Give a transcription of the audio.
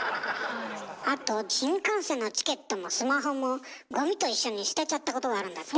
あと新幹線のチケットもスマホもゴミと一緒に捨てちゃったことがあるんだって？